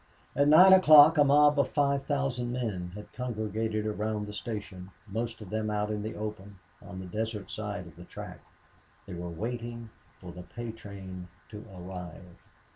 At nine o'clock a mob of five thousand men had congregated around the station, most of them out in the open, on the desert side of the track. They were waiting for the pay train to arrive.